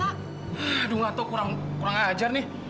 aduh nggak tahu kurang ajar nih